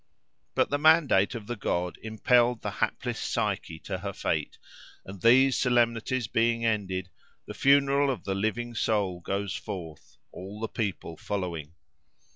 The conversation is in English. But the mandate of the god impelled the hapless Psyche to her fate, and, these solemnities being ended, the funeral of the living soul goes forth, all the people following.